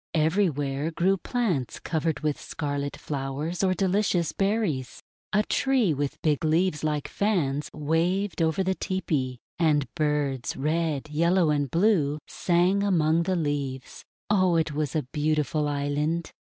Everywhere grew plants covered with scarlet flowers or delicious berries. A tree with big leaves like fans waved over the tepee, and birds, red, yellow, and blue, sang among the leaves. Oh, it was a beautiful island